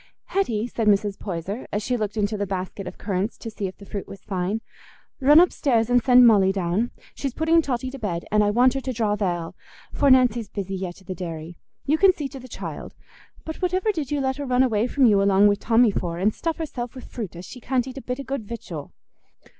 "Hetty," said Mrs. Poyser, as she looked into the basket of currants to see if the fruit was fine, "run upstairs and send Molly down. She's putting Totty to bed, and I want her to draw th' ale, for Nancy's busy yet i' the dairy. You can see to the child. But whativer did you let her run away from you along wi' Tommy for, and stuff herself wi' fruit as she can't eat a bit o' good victual?"